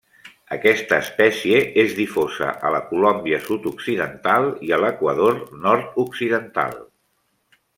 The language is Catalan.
Aquesta espècie és difosa a la Colòmbia sud-occidental i a l'Equador nord-occidental.